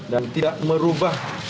dan tidak merubah